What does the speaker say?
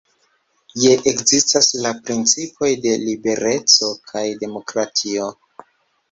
Ja ekzistas la principoj de libereco kaj demokratio.